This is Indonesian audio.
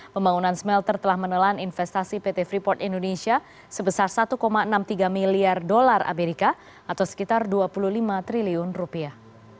pembangunan smelter telah menelan investasi pt freeport indonesia sebesar satu enam puluh tiga miliar dolar amerika atau sekitar dua puluh lima triliun rupiah